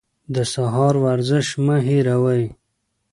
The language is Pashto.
د سهار ورزش مه هېروئ.